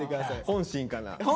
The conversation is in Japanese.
本心かな？